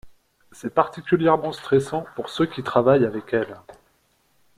C'est particulièrement stressant pour ceux qui travaillent avec elle.